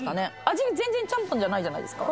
味が全然チャンポンじゃないじゃないですか